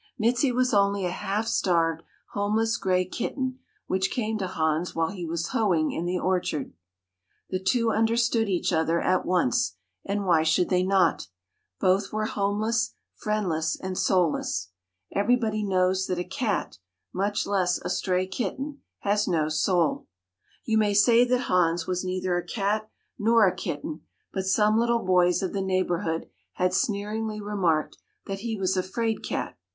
Mizi was only a half starved, homeless, gray kitten which came to Hans while he was hoeing in the orchard. The two understood each other at once, and why should they not? Both were homeless, friendless, and soulless. Everybody knows that a cat, much less a stray kitten, has no soul. You may say that Hans was neither a cat nor a kitten, but some little boys of the neighborhood had sneeringly remarked that he was a "fraid cat."